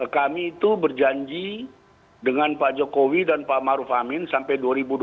kami itu berjanji dengan pak jokowi dan pak maruf amin sampai dua ribu dua puluh